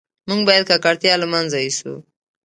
موږ باید ککړتیا له منځه یوسو.